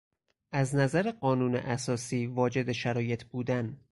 از نظر قانون اساسی واجد شرایط بودن